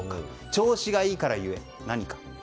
調子がいいからゆえ、何か。